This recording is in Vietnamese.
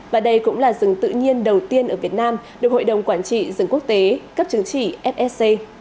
và đây cũng là rừng tự nhiên đầu tiên ở việt nam được hội đồng quản trị rừng quốc tế cấp chứng chỉ fsc